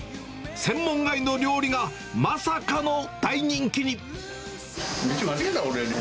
専門外の料理がまさかの大人気に。